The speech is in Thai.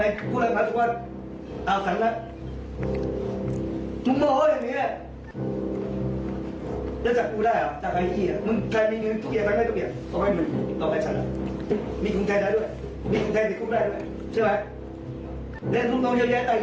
เล่นพรุ่งโน้นเยอะแยะตายอีกด้วยเชื่อไหม